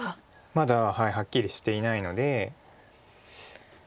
まだはっきりしていないので。